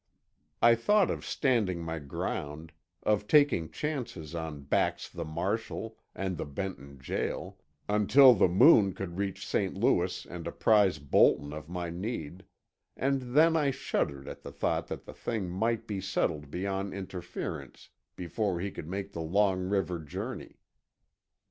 I thought of standing my ground, of taking chances on Bax the marshal and the Benton jail, until the Moon could reach St. Louis and apprise Bolton of my need—and then I shuddered at the thought that the thing might be settled beyond interference before he could make the long river journey.